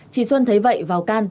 chị xuân thấy vậy vào can